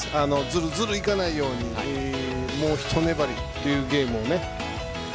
ズルズルいかないようにもう一粘りというゲームを。